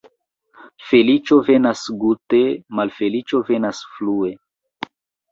Feliĉo venas gute, malfeliĉo venas flue.